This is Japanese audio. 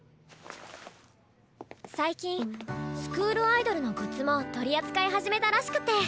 最近スクールアイドルのグッズも取り扱い始めたらしくて。